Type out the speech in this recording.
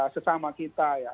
sesama kita ya